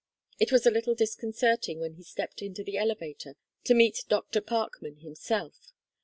It was a little disconcerting when he stepped into the elevator to meet Dr. Parkman himself.